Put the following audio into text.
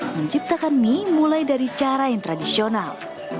menciptakan mie mulai dari cara yang tradisional